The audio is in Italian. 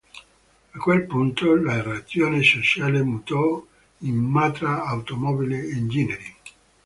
A quel punto, la ragione sociale mutò in Matra Automobile Engineering.